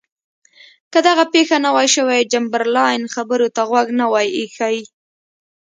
که دغه پېښه نه وای شوې چمبرلاین خبرو ته غوږ نه وای ایښی.